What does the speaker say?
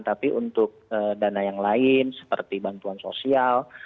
tapi untuk dana yang lain seperti bantuan sosial